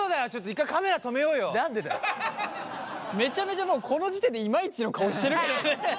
めちゃめちゃもうこの時点でイマイチの顔してるけどね。